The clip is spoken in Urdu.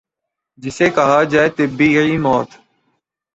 جسے کہا جائے کہ طبیعی موت